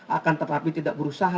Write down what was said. akan tetapi tidak berusaha